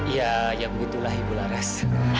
ya ya begitulah ibu mula ras